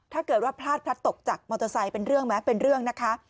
ถ้าเกิดว่าพลาดพลัดตกจากมอเตอร์ไซค์เป็นเรื่องไหมเป็นเรื่องนะคะ